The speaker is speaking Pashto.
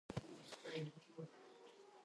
دښتې د موسم د بدلون سبب کېږي.